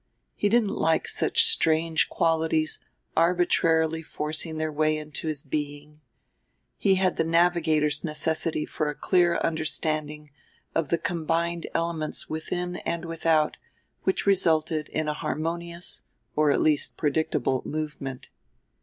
He didn't like such strange qualities arbitrarily forcing their way into his being he had the navigator's necessity for a clear understanding of the combined elements within and without which resulted in a harmonious, or at least predictable, movement.